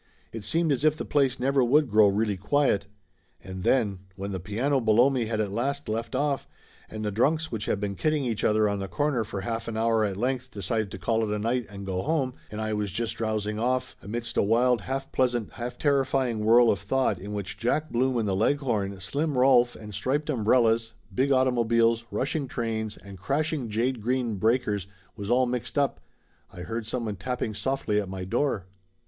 It seemed as if the place never would grow really quiet. And then, when the piano below me had at last left off, and the drunks which had been kidding each other on the corner for half an hour at length decided to call it a night and go home, and I was just drowsing off 98 Laughter Limited amidst a wild, half pleasant, half terrify ing whirl of thought in which Jack Blum and the Leghorn, Slim Rolf and striped umbrellas, big automobiles, rushing trains and crashing jade green breakers was all mixed up, I heard someone tapping softly at my door.